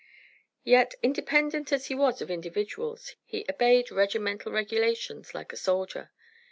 Yet independent as he was of individuals, he obeyed regimental regulations like a soldier.